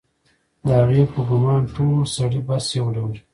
د هغې په ګومان ټول سړي بس یو ډول دي